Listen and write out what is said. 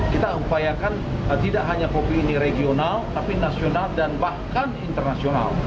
kita upayakan tidak hanya kopi ini regional tapi nasional dan bahkan internasional